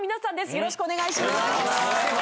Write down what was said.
よろしくお願いします。